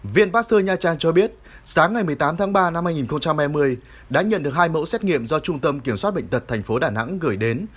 viện pasteur nha trang cho biết sáng ngày một mươi tám tháng ba năm hai nghìn hai mươi đã nhận được hai mẫu xét nghiệm do trung tâm kiểm soát bệnh tật tp đà nẵng gửi đến